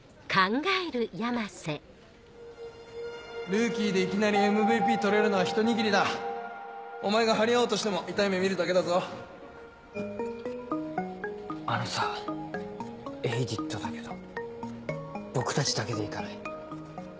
ルーキーでいきなりＭＶＰ取れるのはお前が張り合おうとしても痛い目見るあのさぁエイディットだけど僕たちだけで行かない？